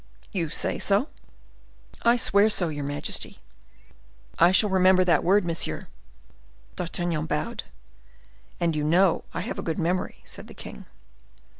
"You say so?" "I swear so, your majesty." "I shall remember that word, monsieur." D'Artagnan bowed. "And you know I have a good memory," said the king.